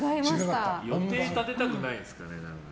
予定立てたくないんですかね。